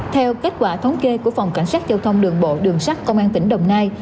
theo kết quả thống kê của phòng cảnh sát giao thông đường bộ đường sát công an tỉnh đồng nai